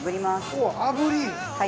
おぉ炙り！